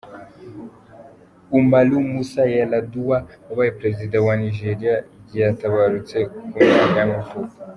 Umaru Musa Yar'Adua, wabaye perezida wa waNigeriya yaratabarutse, ku myaka y’amavuko.